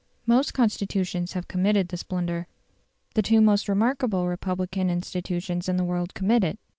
Most Constitutions have committed this blunder. The two most remarkable Republican institutions in the world commit it.